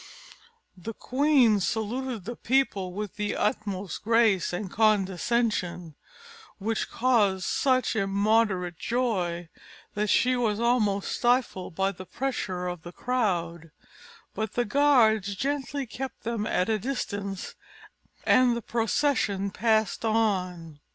_" The queen saluted the people with the utmost grace and condescension, which caused such immoderate joy, that she was almost stifled by the pressure of the crowd: but the guards gently kept them at a distance, and the procession passed on.